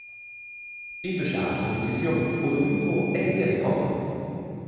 Indo xa á competición, o domingo é día de copa.